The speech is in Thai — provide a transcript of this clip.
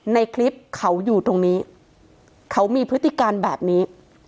ในคลิปเขาอยู่ตรงนี้เขามีพฤติการแบบนี้